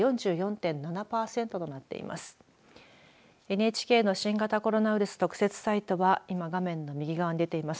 ＮＨＫの新型コロナウイルス特設サイトは今、画面の右側の出ています